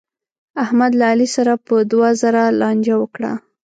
احمد له علي سره په دوه زره لانجه وکړه.